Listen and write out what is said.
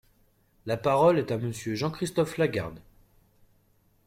La parole est à Monsieur Jean-Christophe Lagarde.